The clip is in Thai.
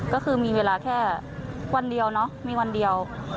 ก็คือมีเวลาแค่วันเดียวเนาะมีวันเดียว